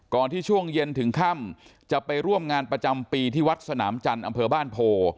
ที่ช่วงเย็นถึงค่ำจะไปร่วมงานประจำปีที่วัดสนามจันทร์อำเภอบ้านโพ